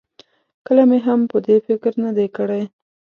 کله مې هم په دې فکر نه دی کړی.